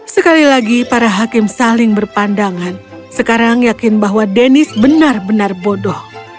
sekali lagi para hakim saling berpandangan sekarang yakin bahwa dennis benar benar bodoh